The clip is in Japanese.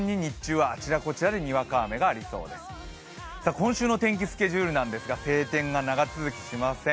今週の天気スケジュールなんですが、晴天が長続きしません。